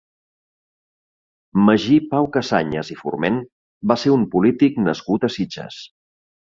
Magí Pau Cassanyes i Forment va ser un polític nascut a Sitges.